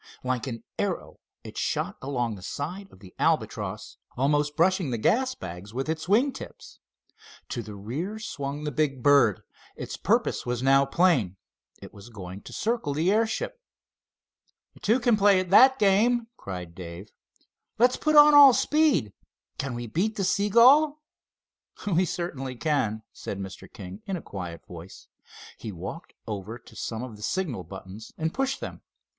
Like an arrow it shot along the side of the Albatross, almost brushing the gas bags with its wing tips. To the rear swung the big bird. Its purpose was now plain. It was going to circle the airship. "Two can play at that game!" cried Dave. "Let's put on all speed! Can we beat the seagull?" "We certainly can," said Mr. King, in a quiet voice. He walked over to some of the signal buttons and pushed them.